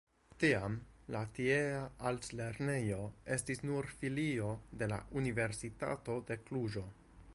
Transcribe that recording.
Tiam la tiea altlernejo estis nur filio de la Universitato de Kluĵo.